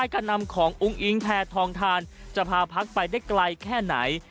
การนำของอุ้งอิงแพทองทานจะพาพักไปได้ไกลแค่ไหน